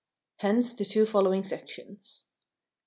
Hence the two following sections.